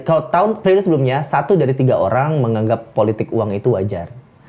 kalau tahun periode sebelumnya satu dari tiga orang menganggap politik uang itu wajar